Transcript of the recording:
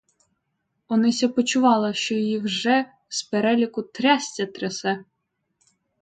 Онися почувала, що її вже з переляку трясця трясе.